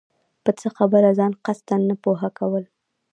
په څۀ خبره ځان قصداً نۀ پوهه كول